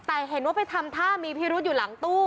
แต่เห็นว่าไปทำท่ามีพิรุษอยู่หลังตู้